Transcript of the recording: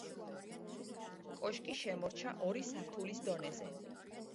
კოშკი შემორჩა ორი სართულის დონეზე.